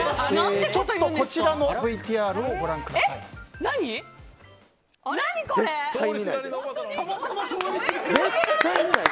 ちょっとこちらのＶＴＲをご覧ください。え？